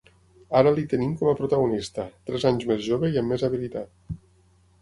Ara li tenim com a protagonista, tres anys més jove i amb més habilitat.